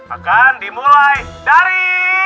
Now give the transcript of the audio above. akan dimulai dari